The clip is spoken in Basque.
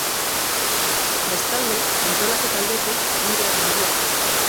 Bestalde, antolaketa aldetik, lider handia zen.